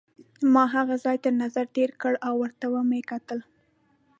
ما هغه ځای تر نظر تېر کړ او ورته مې وکتل.